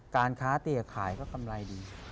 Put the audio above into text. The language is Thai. การค้าเตี๋ขายก็กำไรดี